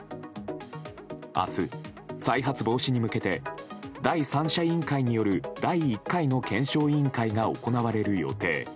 明日、再発防止に向けて第三者委員会による第１回の検証委員会が行われる予定。